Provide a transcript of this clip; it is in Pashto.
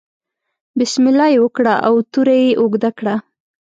بسم الله یې وکړه او توره یې اوږده کړه.